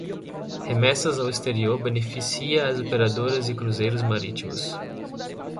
Remessas ao exterior beneficia as operadoras e cruzeiros marítimos